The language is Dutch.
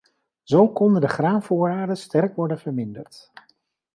Zo konden de graanvoorraden sterk worden verminderd.